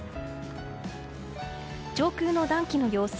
上空の暖気の様子。